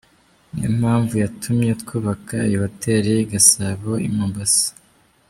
Niyo mpamvu yatumye twubaka iyi Hotel Gasaro i Mombasa”.